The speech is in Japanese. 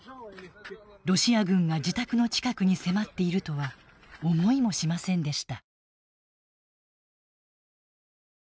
ロシア軍が自宅の近くに迫っているとは思いもしませんでした。